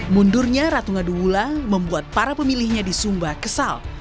mundurnya ratu ngadu wula membuat para pemilihnya di sumba kesal